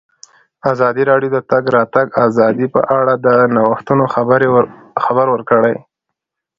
ازادي راډیو د د تګ راتګ ازادي په اړه د نوښتونو خبر ورکړی.